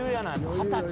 二十歳。